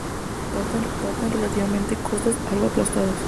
Patas relativamente cortas, algo aplastadas.